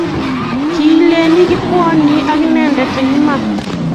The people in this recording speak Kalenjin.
Kiileni kibwoni akinendet eng' iman?